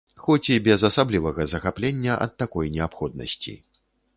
Хоць і без асаблівага захаплення ад такой неабходнасці.